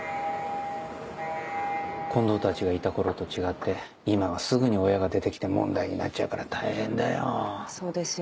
近藤たちがいた頃と違って今はすぐに親が出てきて問題になっちゃうから大変だよ。